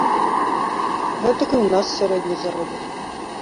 Гэтак і ў нас сярэдні заробак.